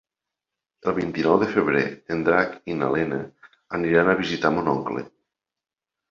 El vint-i-nou de febrer en Drac i na Lena aniran a visitar mon oncle.